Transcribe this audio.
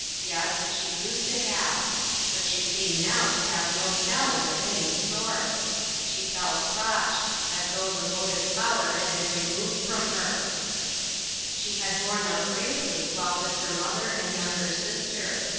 Yes, she used to have ; but she seemed now to have no talent of any sort. She felt crushed ; as though the motive power had been removed from her. TRYING TO ENDURE. 77 She had borne up bravely while with her mother and younger sister.